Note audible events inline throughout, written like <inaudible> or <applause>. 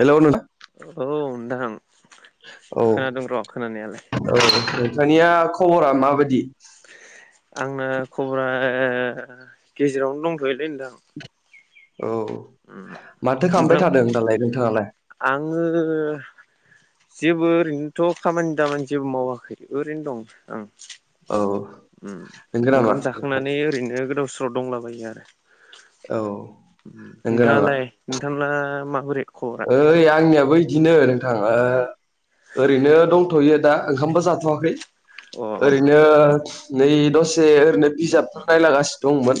हेल'! नोंथां। औ नोंथां औ खोनादों र' खोनानायालाय। दानिया खबरा माबायदि? आंना खबरा गेजेरावनो दंथयोलै नोंथां। औ ओ माथो खालामबाय नोंथां थादों दालाय नोंथाङालाय आङो जेबो ओरैनोथ' खामानि दामानि जेबो मावाखै। ओरैनो दं आं। औ ओम नंगौ नामा ओंखाम नोंथां? जाखांनानै ओरैनो गोदाव-सोराव दंलाबायो आरो। औ। नंगौ नामा नोंथाङालाय नोंथांना माबोरै खबरा ओइ आंनिया बै बिदिनो नोंथा ओ ओरैनो दंथ'यो दा ओंखामबो जाथ'वाखै अ ओरैनो नै दसे ओरैनो बिजाबफोर नायलागासिनो दंमोन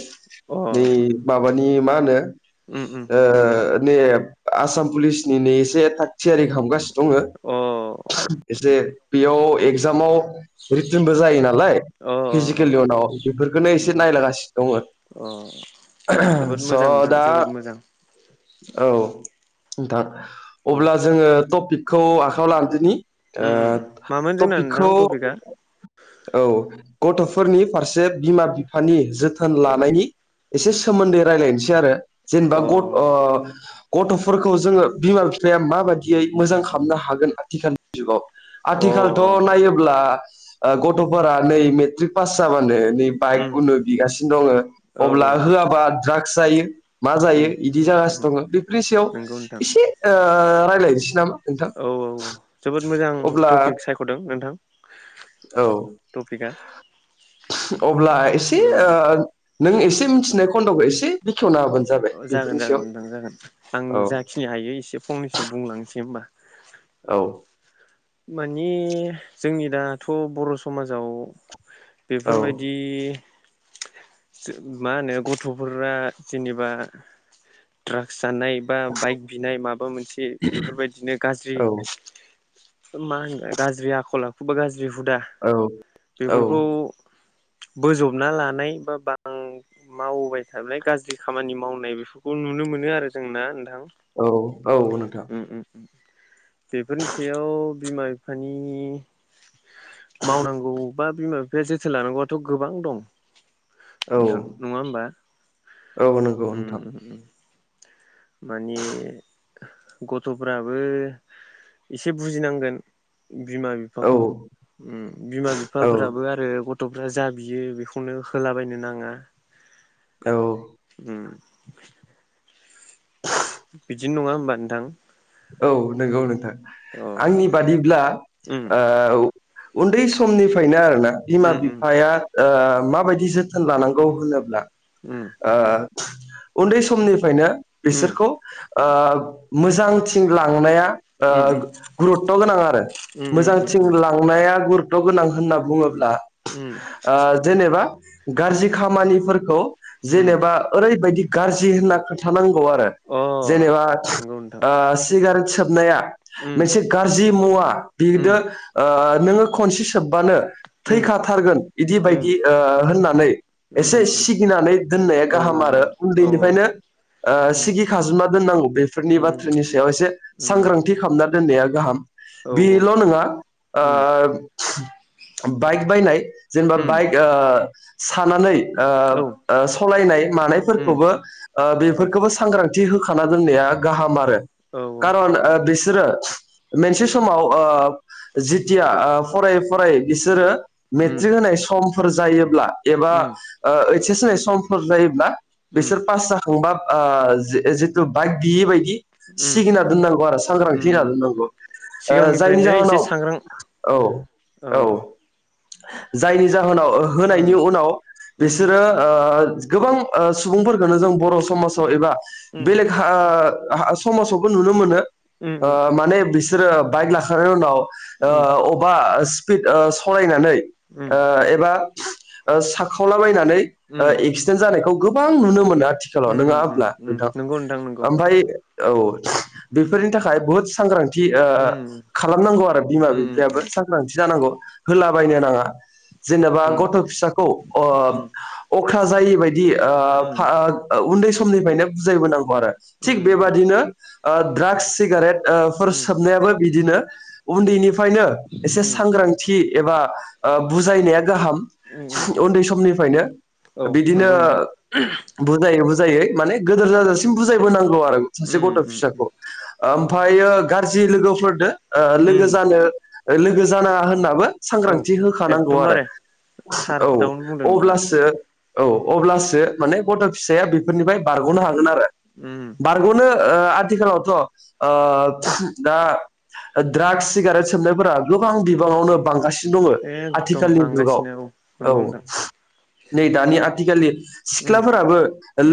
अ नै माबानि मा होनो उम उम ओ नै आसाम पुलिसनिनो एसे थाग थियारि खालामगासिनो दङ। अ एसे बेयाव एगजामाव रिटेनबो जायो नालाय अ अ फिजिकेलनि उनाव बेफोरखौनो एसे नायलगासिनो दङ अ जोबोद स' मोजां नोंथां दा जोबोद मोजां औ नोंथां औ अब्ला जोङो टपिकखौ आखाइायाव लादोनि ओ उम उम मामोन जोंना नोंथां थ'पिकखौ टपिकआ औ गथ'फोरनि फारसे बिमा-बिफानि जोथोन लानायनि एसे सोमोन्दै रायलायनोसै आरो जेनेबा ग अ ओ गथ' फोरखौ जोङो बिमा बिफाया माबायदियै मोजां खालामनो हागोन आथिखालनि जुगाव अ आथिखालथ' नायोब्ला ओ गथ'फोरा नै मेट्रिक पास जाबानो उम बाइक उनो बिगासिनो दङ औ अब्ला औ होआबा द्राग्स जायो मा उम जायो बिदि उम जागासिनो दङ बेफोरनि सायाव नंगौ नोंथां एसे ओ रायज्लायनोसै औ औ जोबोद मोजां अब्ला टपिक सायख'दों नोंथां औ टपिका अब्ला एसे नों एसे मिथिनाय खन्द'खौ एसे खेवना होबानो जाबाय बेफोरनि सायाव उम औ जाखिनि हायो एसे फंनैसो बुंलांनोसै होमबा औ मानि जोंनि दाथ' बर' समाजाव औ बेफोरबायदि मा होनो गथ'फोरा जेनेबा द्रागस जानाय बा बाइक बिनाय माबा मोनसे बेफोरबायदिनो गाज्रि औ मा होनगोन गाज्रि आखल आखु बा गाज्रि हुदा औ औ बेफोरखौ बोजबना लानाय बा बां मावबाय थाबाय गाज्रि खामानि मावनाय बे फोरखौ नुनो मोनो आरो जों ना नोंथां औ औ नोंथां बेफोरनि सायाव बिमा बिफानि मावनांगौ बा बिमा बिफाया जोथोन लानांगौआथ' गोबां दं औ नोंथां नङा होमबा औ नंगौ नोंथां माने गथ'फ्राबो एसे बुजिनांगोन बिमा औ बिफाखौ उम बिमा औ बिफाफोराबो आरो गथ' गथ'फ्रा जा बियो बेखौनो होलाबायनो नाङा <inaudible> <unintelligible> औ बिदिनो नङा होमबा नोंथां औ नंगौ नोंथां अ आंनि बादिब्ला उम ओ उन्दै समनिफ्रायनो आरोना बिमा उम उम बिफाया ओ माबायदि जोथोन लानांगौ होनोब्ला उम ओ उन्दै समनि फ्रयनो उम बिसोरखौ ओ मोजांथिं लांनाया ओ उम गुरुत्त गोनां आरो उम उम मोजांथिं उम लांनाया गुरुत्त' गोनां होनना बुङो उम ओ जेनेबा गाज्रि खामानिफोरखौ उम जेनेबा ओरैबायदि गाज्रि होनना खोन्थानां आरो अ जेनेबा नंगौ नोंथां ओ सिगारेट सोबनाया उम एसे गाज्रि मुवा बिदो उम ओ नोंङो खनसे सोब जोबबानो उम थैखाथारगोन बिदि उम बायदि उम ओ होननानै उम एसे उम सिगिनानै दोननाया औ गाहाम आरो औ औ उन्दैनिफ्रायनो। ओ उम सिगि खाजोमना दोननांगौ बेफोरनि उम बाथ्रानि बेयाव एसे उम सांग्रांथि खालामना दोननाया गाहाम। औ उम औ उम औ बेल' नङा ओ उम बाइक बायनाय जेनेबा उम बाइक ओ सानानै ओ उम ओ सालायनाय मानायफोरखोबो ओ बेफोरखोबो सांग्रां थि होखाना दोननाया गाहाम आरो। खारन ओ बिसोरो मोनसे समाव ओ जिथिया ओ फरायै फरायै बिसोरो मेट्रिक होनाय समफोर जायोब्ला एबा ओ ओइच एस होनाय समफोर जायोब्ला बिसोर पास जाखांबा ओ जि-जिथु बाइक बियि बायदि सिगिना दोननांगौ आरो सांग्रांथि उम होनना उम दोननांगौ। ओ जायनि सिगांनिफ्रायनो एसे जाहोनाव सांग्रां औ औ। जायनि जाहोनाव उम होनायनि उनाव उम बिसोरो ओ गोबां ओ सुबुंफोरखौनो जों बर' समाजाव एबा उम बेलेग हा ओ हा समाजावबो नुनो मोनो। उम उम ओ माने बिसोरो बाइक लाखांनायनि उनाव उम ओ अबेबा स्पिड ओ सलायनानै ओ एबा ओ साखावलाबायनानै ओ उम एक्सिडेन्ट जानायखौ गोबां नुनो मोनो आथिखालाव। नङा उम उम होमब्ला उम नोंथां? नंगौ नोंथां नंगौ ओमफाय औ बेफोरनि थाखाय बहुद सांग्रां थि उम खालामनांगौ आरो बिमा उम बिफायाबो उम सांग्रांथि जानांगौ। होलाबायनो नाङा। जेनेबा उम गथ' फिसाखौ ओ उम अख्रा जायै बाय दि ओ उम फा उन्दै समनिफ्रायनो बुजायबोनांगौ आरो। थिक उम बेबा नो ओ द्राग सिगारेट ओ उम सोबनायाबो बिदिनो उन्दैनि फ्रायनो एसे उम सांग्रांथि एबा ओ बुजायनाया गाहाम। उम उम उन्दै समनिफ्रायनो औ बिदिनो नंगौ नोंथां बुजाय बु जायै माने गोदोर जासिम बुजायबोनांगौ आरो सासे गथ' उम उम फिसाखौ। ओम मफायो गाज्रि लोगोफोरजों ओ लोगो उम जानो लोगो जानाङा होननाबो औ सांग्रांथि होखानांगौ आरो। एकदमबारे थार औ खोथाखौनो बुंदों नोंथाङा अब्लासो औ अब्लासो माने गथ' फिसाया बेफोरनिफ्राय बारग'नो हागोन आरो। <inaudible> <unintelligible> ओ आथिखालावथ' ओ दा द्राग्स सिगारेट सोबनाय फोरा गोबां बिबाङावनो बांगासिनो दङो एकदम आथिखालनि जुगाव बांगासिनो औ। नंगौ नोंथां नै दानि आथिखालनि उम सिख्लाफोराबो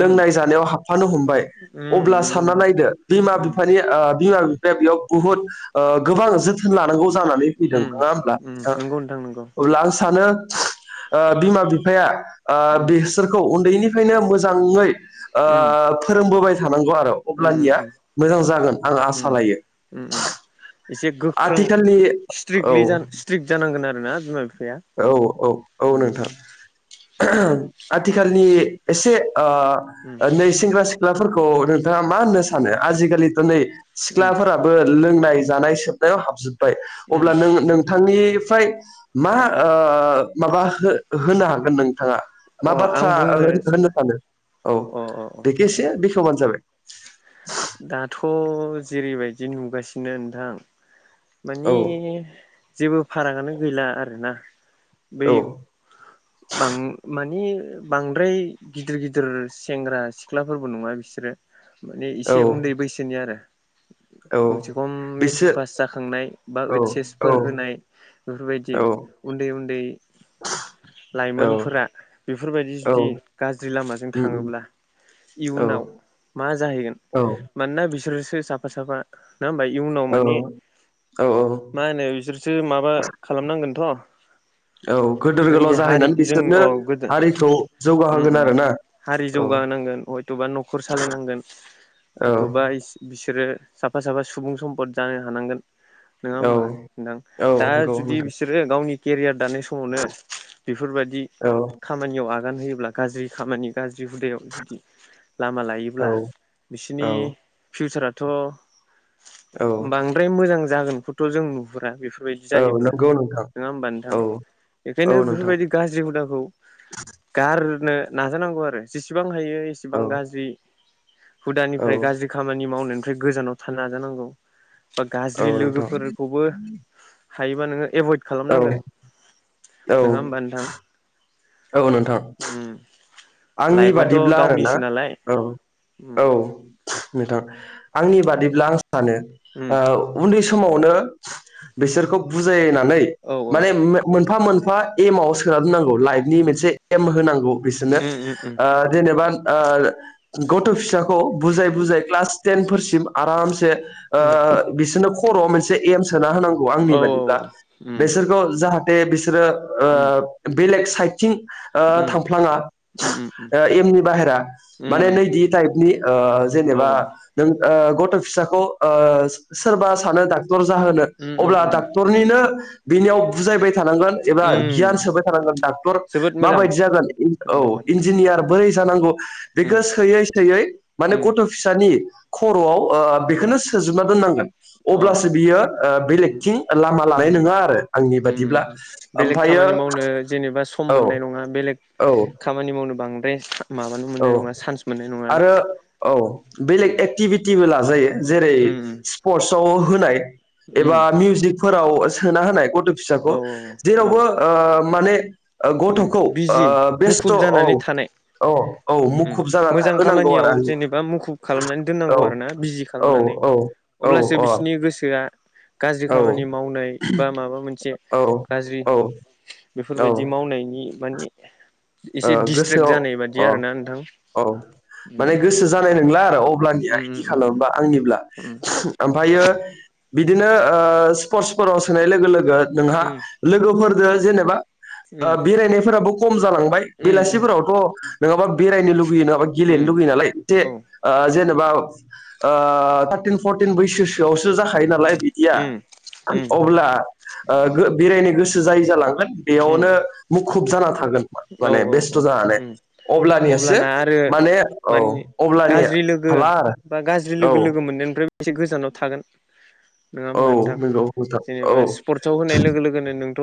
उम जानायाव हाबफानो हमबाय। उम अब्ला नंगौ सानना नोंथां नायदो बिमा उम बिफानि ओ बिमा फिफाया बेयाव बुहुत ओ गोबां जोथोन लानांगौ जानानै फैदों। उम नङा होमब्ला उम नोंथां? नंगौ नंगौ अब्ला आं सानो ओ बिमा बिफाया ओ उम बेसोरखौ उन्दैनिफ्रायनो मोजाङै ओ उम फोरोंबोबाय थानांगौ आरो उम अब्लानिया उम मोजां जागोन आं आसा उम लायो। उम उम एसे गोख्रों आथिखालनि औ स्ट्रिकलि स्ट्रिक जानांगोन आरोना बिमा बि औ औ औ नोंथां। आथिखालनि एसे ओ उम नै सेंग्रा सिख्लाफोरखौ नोंथाङा मा होननो सानो? आजिखालिथ' नै उम सिख्लाफोराबो लोंनाय जानाय सोबनायाव हाबजोब्बाय उम अब्ला नों नोंथांनि फ्राय मा ओ माबा हो-होनो हागोन नों थाङा मा अ आं बाथ्रा बुंनो होननो सानो? औ अ अ बेखे एसे बेखेवबानो जाबाय। दाथ' जेरैबायदि नुगासिनो नोंथां माने औ जेबो फारागानो गैला आरोना। बै औ बां मानि बांद्राय गिदिर गिदिर सेंग्रा सिख्लाफोरबो नङा बिसोरो। माने इसे औ उन्दै बैसोनि आरो। औ खमसेखम मेट्रिक बिसोर पास जाखांनाय बा औ ओइच औ एसफोर होनाय बेफोरबायदि। औ उन्दै-उन्दै औ लाइमोनफोरा बेफोरबायदि औ जुदि गाज्रि लामाजों थाङोब्ला् औ इयुनाव मा जाहैगोन मानोना बिसोरसो साफा-साफा नङा होमबा इयुनाव औ माने औ औ मा होनो बिसोरसो माबा खालामनांगोनथ' ब <inaudible> औ गेदेर-गोलाव जाहैनानै बिसोरनो अ गोदो हारिखौ उम जौगाहोगोन उम आरोना। हारि औ जौगानांगोन हयथ'बा न'खर सालायनांगोन औ हयथ'बा बिसोरो साफा-साफा सुबुं सम्पद जानो हानांगोन। नङा औ होमबा नोंथां औ दा नंगौ जुदि नोंथां बिसोरो गावनि केरियार दानाय समावनो बेफोरबायदि औ खामानियाव आगान होयोब्ला गाज्रि खामानि गाज्रि जिदु हुदायाव जुदि लामा औ लायोब्ला बिसोरनि औ फिउचारा थ' औ बांद्राय मोजां जागोनखौथ' जों नुहुरा बेफोर बेफोरबायदि औ जायोब्ला नंगौ नोंथां नङा होनबा नोंथां। औ बेखायनो औ नोंथां बेफोरबायदि गाज्रि हुदाखौ गारनो नाजानांगौ आरो जेसेबां सेबां औ गाज्रि औ हुदानिफ्राय गाज्रि खामानि मावनायनिफ्राय गोजानाव थानो नाजानांगौ बा गाज्रि औ नोंथां लोगोफोरखौबो हायोबा नोङो एभयड खालामनांगोन औ औ नङा होमबा नोंथां? औ नोंथां उम आंनि लाइफआथ' बादिब्ला आरोना गावनिसो नालाय उम औ-औ नोंथां आंनि बादिब्ला आं सानो उम उन्दै समावनो बिसोरखौ बुजायनानै औ माने मोनफा मोनफा एमाव सोना दोननांगौ लाइफनि मोनसे एम होनांगौ बिसोरनो ओ जेनेबा ओ गथ' फिसाखौ बुजाय बुजाय क्लास टेन फोरसिम आरामसे ओ बिसोरनो खर'आव मोनसे एम सोना होनांगौ आंनि औ बादिब्ला उम बिसोरखौ जाहा- ते बिसोरो ओ बेलेग साइडथिं ओ उम थांफ्लाङा उम औ उम ओ एमनि बाहेरा उम माने उम नैदि टाइपनि ओ औ जेनेबा नों ओ गथ' फिसाखौ ओ सोरबा सानो दा- क्टर जाहोनो उम उम अब्ला उम डक्टरनिनो बेलायाव बुजायबाय थानांगोन एबा उम गियान सोबाय थांगोन डक्टर जोबोद मोजां माबायदि जागोन। औ होनदों बाथ्राखौ इन्जिनियार बोरै जानांगौ उम बेखौ सोयै सोयै माने उम गथ' फिसानि खर'आव ओ उम बेखौनो सोजोबना दोननांगोन अ अब्लासो बियो उम बेलेगथिं लामा लानाय उम नङा आरो। आंनि बादिब्ला उम बेलेग ओमफ्रायो खामानि मावनो जेनेबा सम औ मोननाय नङा बेलेग औ खामानि मावनो बांद्राय माबानो औ मोननाय नङा चान्स मोननाय नङा। आरो औ बेलेग उम एक्टिभिटिबो लाजायो जेरै उम स्पर्टसआव होनाय उम एबा मिउजिक फोराव सोना होनाय गथ' औ फिसाखौ औ औ जेरावबो ओ माने उम गथ'खौ बिजि ओ मुखुब बेस्थ' औ जानानै थानाय औ औ उम मुखुब जाना मोजां थाहोनांगौ खामानियाव आरो आंनि जेनेबा मुखुब खालामनानै दोननांगौ औ आरोना बिजि औ खालामनानै औ औ अब्लासो अ बिसिनि गोसोआ गाज्रि औ खामानि मावनाय बा माबा मोनसे औ गाज्रि औ ओ बेफोरबायदि बिदि मावनायनि माने अ एसे दिडिसट्रेक्ट गोसोआव जानाय बादि अ आरोना नोंथां औ माने उम गोसो जानाय नंला आरो अब्लानिया उम उम आथिखालाव बा आंनिब्ला उम ओमफ्रायो बिदिनो ओ स्पर्टसफोराव सोनाय लोगो लोगो नोंहा उम लोगोफोरजों जेनेबा बेरायनायफोराबो कम जालांबाय उम उम बेलासिफोरावथ' नङाबा बेरायनो लु- गेलेनो उम लुबैयो नालाय जे औ बा ओ थारटिन फरटिन बैसोसो आवसो जाखायो नालाय बिदिया उम उम अब्ला ओ बेरायनो गोसो जायै जालाङो। उम बेयावनो मुखुब जाना थागोन औ माने बेस्थ' औ जानानै उम अब्लानियासो अब्लाना आरो माने औ मानि अब्लानिया गाज्रि हाला आरो औ बे एसे गोजानाव थागोन नङा औ होमबा नोंथां नंगौ नोंथां औ जेनेबा स्पर्टसआव होनाय लोगो लोगोनो नोंथ'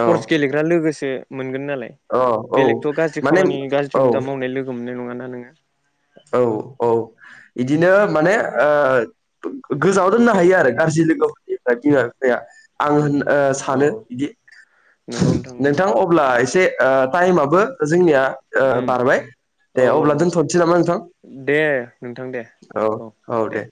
औ गेलेग्रा लोगोसे मोनगोन नालाय औ औ बेलेगथ' गाज्रि माने खामानि औ गाज्रि हुदा मावनाय लोगो मोननाय नङाना नोङो औ औ बिदिनो माने ओ गोजाव दोननो हायो आरो गाज्रि लोगोफोरनि बिमा बिफाया आं होन उम अ सानो अ बिदि नंगौ नंगौ नोंथां अब्ला एसे ओ टाइमाबबो जोंनिया ओ उम बारबाय दे औ औ अब्ला औ दोनथ' नोसै नामा नोंथां दे नोंथां दे औ औ दे